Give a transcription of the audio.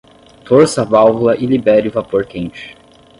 Torça a válvula e libere o vapor quente.